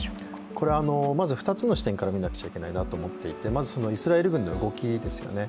これは２つの視点から見なくちゃいけないなと思っていて、イスラエル軍の動きですよね